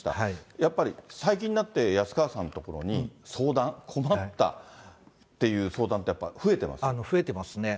やっぱり最近になって、安川さんの所に相談、困ったっていう相談って、増えてますね。